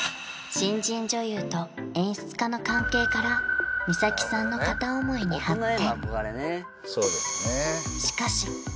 新人女優と演出家の関係から美彩さんの片思いに発展